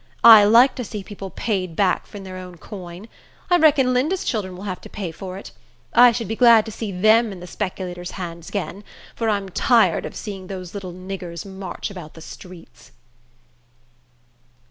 I like to see people paid back in their own coin. I reckon Linda's children will have to pay for it. I should be glad to see them in the speculator's hands again, for I'm tired of seeing those little niggers march about the streets."